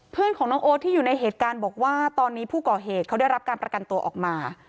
เพื่อนของน้องโอ๊ตที่อยู่ในเหตุการณ์บอกว่าตอนนี้ผู้ก่อเหตุเขาได้รับการประกันตัวออกมา